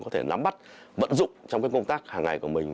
có thể nắm bắt vận dụng trong công tác hàng ngày của mình